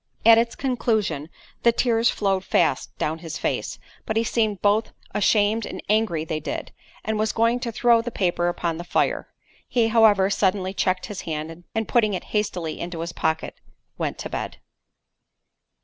At its conclusion, the tears flowed fast down his face; but he seemed both ashamed and angry they did, and was going to throw the paper upon the fire—he however suddenly checked his hand, and putting it hastily into his pocket, went to bed.